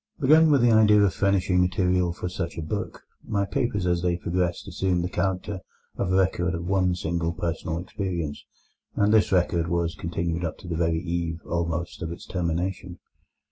Begun with the idea of furnishing material for such a book, my papers as they progressed assumed the character of a record of one single personal experience, and this record was continued up to the very eve, almost, of its termination.